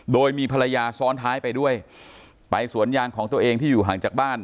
โดยมีภรรยาซ้อนท้ายไปด้วยไปสวนยางของตัวเองที่อยู่ห่างจากบ้าน